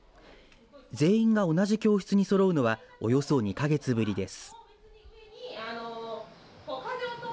全員が同じ教室にそろうのはおよそ２か月ぶりです。